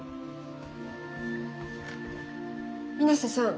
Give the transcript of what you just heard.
水無瀬さん